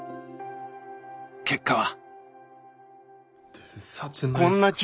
結果は。